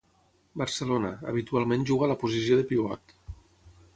Barcelona, habitualment juga a la posició de pivot.